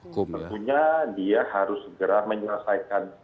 tentunya dia harus segera menyelesaikan